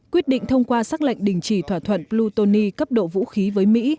quyết định thông qua xác lệnh đình chỉ thỏa thuận putony cấp độ vũ khí với mỹ